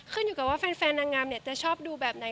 ขึ้นอยู่กับว่าแฟนนางงามจะชอบดูแบบไหน